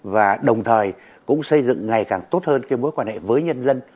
và đồng thời cũng xây dựng ngày càng tốt hơn mối quan hệ với nhân dân